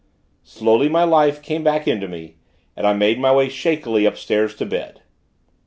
Slowly, my life came back into me, and I made my way, shakily, up stairs to bed.